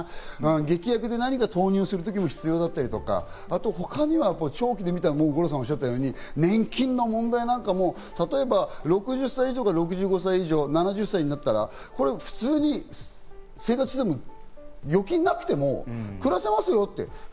劇薬で何か投入することも必要だったりとか、あとは長期で見たら五郎さんがおっしゃったように年金の問題なんかも、例えば６０歳以上から６５歳以上が７０歳になったら、普通に生活していても預金がなくても暮らせますよって。